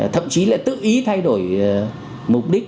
thậm chí là tự ý thay đổi mục đích